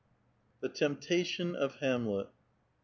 THE TEMPTATION OF HAMLET.